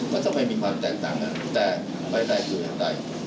มันจะไม่มีความแตกต่างแต่ไปได้คืออย่างใด